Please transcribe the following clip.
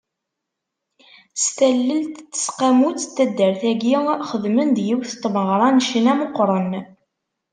S tallelt n teseqqamut n taddar-agi, xedmen-d yiwet n tmeɣra n ccna meqqren.